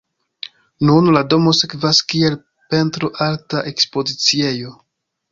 Nun la domo servas kiel pentro-arta ekspoziciejo.